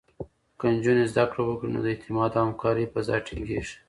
که نجونې زده کړه وکړي، نو د اعتماد او همکارۍ فضا ټینګېږي.